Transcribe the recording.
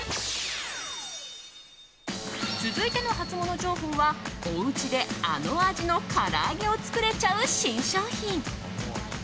続いてのハツモノ情報はおうちで、あの味のから揚げを作れちゃう新商品。